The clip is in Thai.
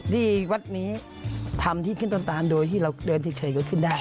ที่วัดนี้ทำที่ขึ้นต้นตานโดยที่เราเดินเฉยก็ขึ้นได้